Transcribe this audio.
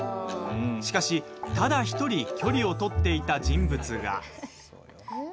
しかし、ただ１人距離を取っていた人物が。